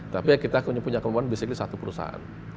tapi kita punya kemampuan basically satu perusahaan